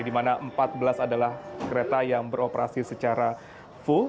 di mana empat belas adalah kereta yang beroperasi secara full